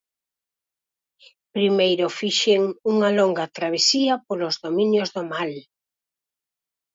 Primeiro fixen unha longa travesía polos dominios do Mal.